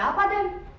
ada apa den